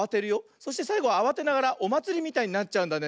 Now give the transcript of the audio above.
そしてさいごあわてながらおまつりみたいになっちゃうんだね。